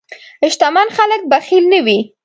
شتمن خلک بخیل نه وي.